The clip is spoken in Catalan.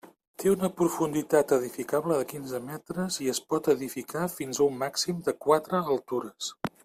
Té una profunditat edificable de quinze metres i es pot edificar fins a un màxim de quatre altures.